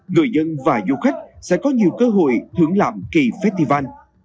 người dân và du khách sẽ có nhiều cơ hội thưởng lãm kỳ festival